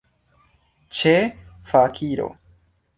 Ĉe fakiro.